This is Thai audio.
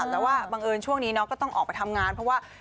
แต่ว่าบังเอิญช่วงนี้น้องก็ต้องออกไปทำงานเพราะว่า